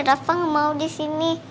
raffa nggak mau di sini